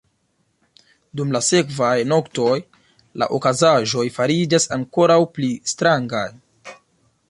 Dum la sekvaj noktoj, la okazaĵoj fariĝas ankoraŭ pli strangaj.